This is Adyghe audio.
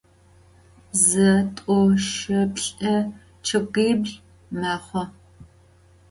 Zı, t'u, şı, plh'ı … ççıgibl mexhu.